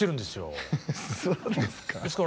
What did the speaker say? そうですか？